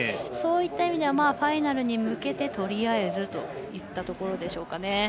そういった意味ではファイナルに向けてとりあえずといったところでしょうか。